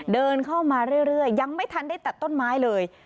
เดินเข้ามาเรื่อยยังไม่ทันได้ตัดต้นไม้เลย